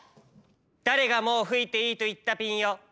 だれがもうふいていいといったピンよ。